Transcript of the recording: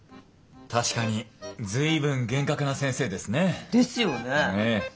確かに随分厳格な先生ですね。ですよね。